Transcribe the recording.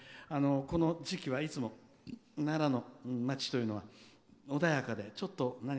この時期は、いつも奈良の町というのは穏やかで。